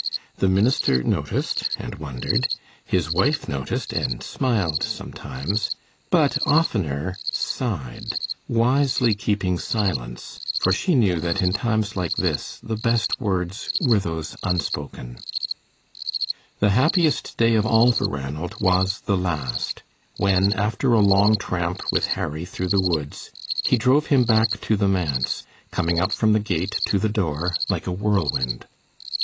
The minister noticed and wondered; his wife noticed and smiled sometimes, but oftener sighed, wisely keeping silence, for she knew that in times like this the best words were those unspoken. The happiest day of all for Ranald was the last, when, after a long tramp with Harry through the woods, he drove him back to the manse, coming up from the gate to the door like a whirlwind.